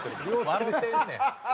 笑うてんねん。